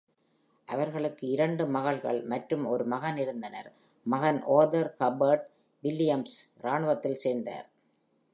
அவர்களுக்கு இரண்டு மகள்கள் மற்றும் ஒரு மகன் இருந்தனர். மகன் ஆர்தர் ஹெர்பர்ட் வில்லியம்ஸ், இராணுவத்தில் சேர்ந்தார்.